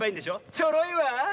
ちょろいわあ。